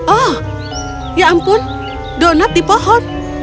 oh ya ampun donat di pohon